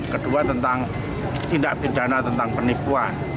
kedua tentang tindak pidana tentang penipuan